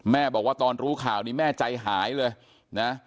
บอกว่าตอนรู้ข่าวนี้แม่ใจหายเลยนะ